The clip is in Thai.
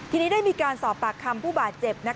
ทีนี้ได้มีการสอบปากคำผู้บาดเจ็บ